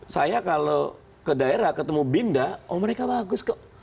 saya kalau ke daerah ketemu bimda oh mereka bagus kok